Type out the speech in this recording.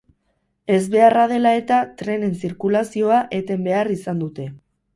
Ezbeharra dela eta trenen zirkulazioa eten behar izan dute.